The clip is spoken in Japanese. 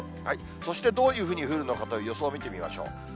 そして、どういうふうに降るのかという予想見てみましょう。